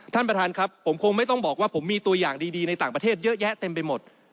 ท่านประธานครับผมคงไม่ต้องบอกว่าผมมีตัวอย่างดีในต่างประเทศเยอะแยะเต็มไปหมด